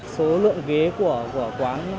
số lượng ghế của quán